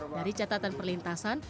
dari catatan perlintasan